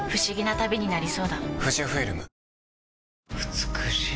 美しい。